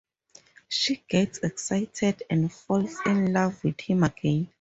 She gets excited and falls in love with him again.